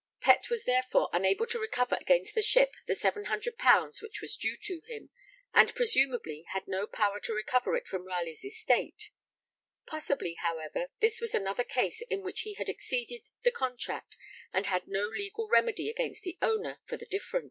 Pett was therefore unable to recover against the ship the 700_l._ which was due to him, and presumably had no power to recover it from Ralegh's estate; possibly, however, this was another case in which he had exceeded the contract and had no legal remedy against the owner for the difference.